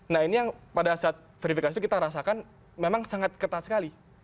nah ini yang pada saat verifikasi itu kita rasakan memang sangat ketat sekali